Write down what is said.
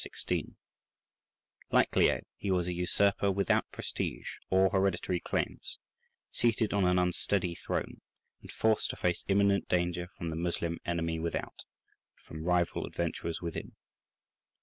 Like Leo, he was a usurper without prestige or hereditary claims, seated on an unsteady throne, and forced to face imminent danger from the Moslem enemy without, and from rival adventurers within.